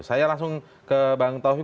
saya langsung ke bang taufik